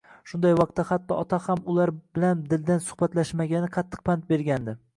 Shunday vaqtda hatto ota ham ular bilan dildan suhbatlashmagani qattiq pand bergandi